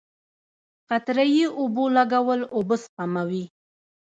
قطره یي اوبولګول اوبه سپموي.